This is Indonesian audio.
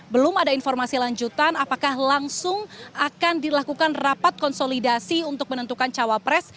belum ada informasi lanjutan apakah langsung akan dilakukan rapat konsolidasi untuk menentukan cawapres